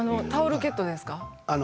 タオルケットですか？